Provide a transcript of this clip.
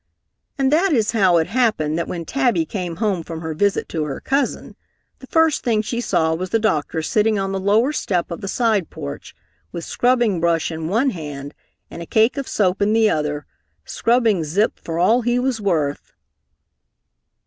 And that is how it happened that when Tabby came home from her visit to her cousin, the first thing she saw was the doctor sitting on the lower step of the side porch with scrubbing brush in one hand and a cake of soap in the other, scrubbing Zip for all he was worth.